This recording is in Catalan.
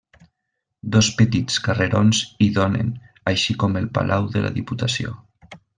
Dos petits carrerons hi donen, així com el Palau de la Diputació.